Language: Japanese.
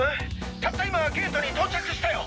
たった今ゲートに到着したよ。